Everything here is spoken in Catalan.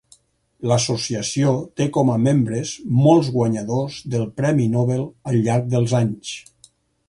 L'associació té com a membres molts guanyadors del Premi Nobel al llarg dels anys.